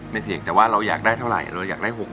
แต่ว่าเราอยากได้เท่าไหร่เราอยากได้๖๐๐๐๐บาท